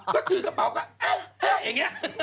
ก็ถือกระเป๋าก็แอ๊ะแอ๊ะอย่างนี้